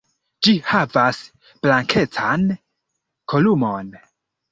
Ĝi havas blankecan kolumon.